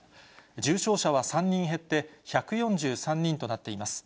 重症者は３人減って、１４３人となっています。